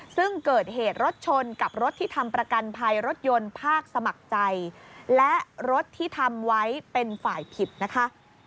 ซึ่งเกิดเหตุรถชนกับรถที่ทำประกันภัยรถยนต์ภาคสมัครใจและรถที่ทำไว้เป็นฝ่ายผิดนะคะ